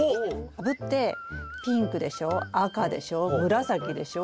カブってピンクでしょ赤でしょ紫でしょ